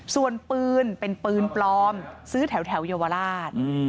ส่วนปืนเป็นปืนปลอมซื้อแถวเยาวราช